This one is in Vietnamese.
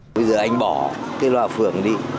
bây giờ anh bỏ cái loa phưởng đi